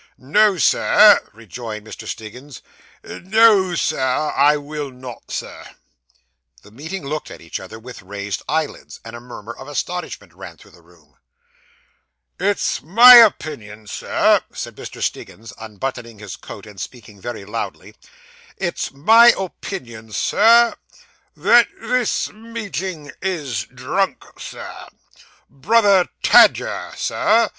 'No, sir,' rejoined Mr. Stiggins; 'No, sir. I will not, sir.' The meeting looked at each other with raised eyelids; and a murmur of astonishment ran through the room. 'It's my opinion, sir,' said Mr. Stiggins, unbuttoning his coat, and speaking very loudly 'it's my opinion, sir, that this meeting is drunk, sir. Brother Tadger, sir!